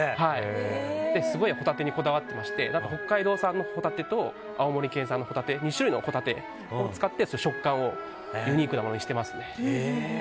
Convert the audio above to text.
すごいホタテにこだわっていまして北海道産のホタテと青森県産のホタテ２種類のホタテを使って食感をユニークなものにしてます。